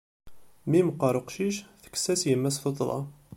Mi meqqer uqcic, tekkes-as yemma-s tuṭṭḍa.